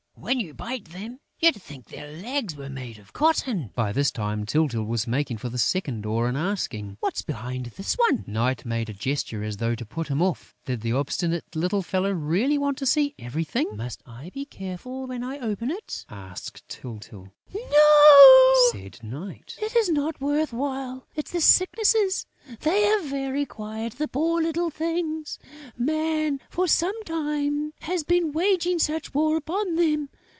When you bite them, you'd think their legs were made of cotton!" By this time, Tyltyl was making for the second door and asking: "What's behind this one?" Night made a gesture as though to put him off. Did the obstinate little fellow really want to see everything? "Must I be careful when I open it?" asked Tyltyl. "No," said Night, "it is not worth while. It's the Sicknesses. They are very quiet, the poor little things! Man, for some time, has been waging such war upon them!...